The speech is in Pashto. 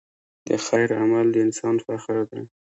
د خیر عمل د انسان فخر دی.